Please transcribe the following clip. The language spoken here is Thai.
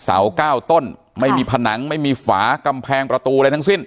เสาเก้าต้นไม่มีผนังไม่มีฝากำแพงประตูอะไรทั้งสิ้น